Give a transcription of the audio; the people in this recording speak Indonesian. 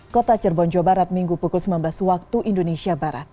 kota cirebon jawa barat minggu pukul sembilan belas waktu indonesia barat